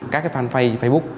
các cái fanpage facebook